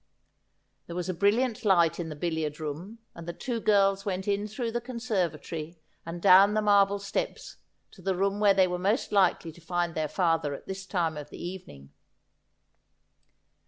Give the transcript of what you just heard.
There was a brilliant light in the billiard room, and the two girls went in through the conservatory and down the marble steps to the room where they were most likely to find their father at this time of the evening.